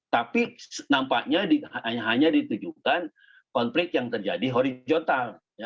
tapi nampaknya hanya ditujukan konflik yang terjadi horizontal